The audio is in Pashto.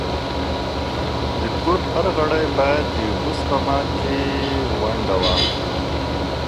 د کور هر غړی باید د اوبو سپما کي ونډه واخلي.